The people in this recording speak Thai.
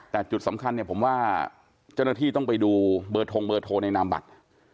แต่จุดสำคัญเนี่ยผมว่าเจ้าหน้าที่ต้องไปดูเบอร์ทงเบอร์โทรในนามบัตร